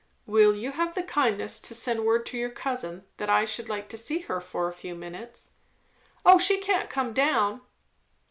"Will you have the kindness to send word to your cousin that I should like to see her for a few minutes?" "O she can't come down?"